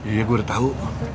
iya gue udah tahu